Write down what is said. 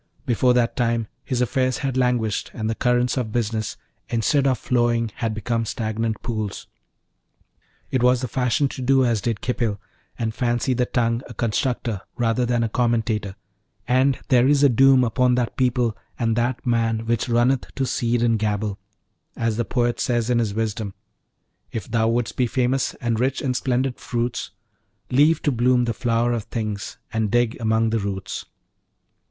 Before that time his affairs had languished, and the currents of business instead of flowing had become stagnant pools. It was the fashion to do as did Khipil, and fancy the tongue a constructor rather than a commentator; and there is a doom upon that people and that man which runneth to seed in gabble, as the poet says in his wisdom: If thou wouldst be famous, and rich in splendid fruits, Leave to bloom the flower of things, and dig among the roots.